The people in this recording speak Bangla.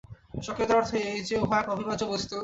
স্বকীয়তার অর্থ এই যে, উহা এক অবিভাজ্য বস্তু।